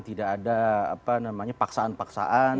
tidak ada apa namanya paksaan paksaan